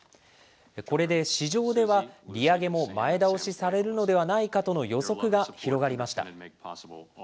これで市場では、利上げも前倒しされるのではないかとの予測が広がりました。